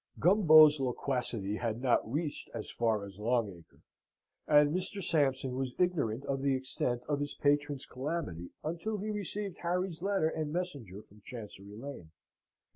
Gumbo's loquacity had not reached so far as Long Acre, and Mr. Sampson was ignorant of the extent of his patron's calamity until he received Harry's letter and messenger from Chancery Lane.